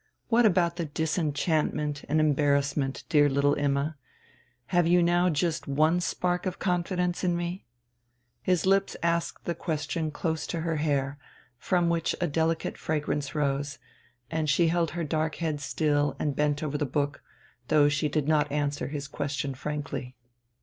What about the disenchantment and embarrassment, dear little Imma? Have you now just one spark of confidence in me?" His lips asked the question close to her hair, from which a delicate fragrance arose, and she held her dark head still and bent over the book, though she did not answer his question frankly.